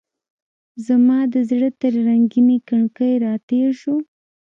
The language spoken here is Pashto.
زما د زړه تر رنګینې کړکۍ راتیر شو